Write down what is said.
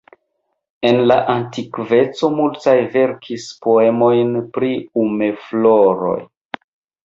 En la antikveco multaj verkis poemojn pri umefloroj.